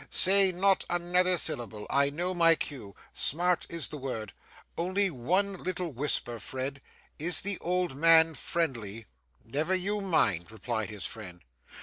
Say not another syllable. I know my cue; smart is the word. Only one little whisper, Fred is the old min friendly?' 'Never you mind,' replied his friend.